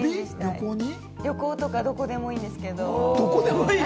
旅行とかどこでもいいんですけれども。